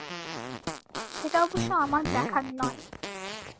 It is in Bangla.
সেটা অবশ্য আমার দেখার নয়।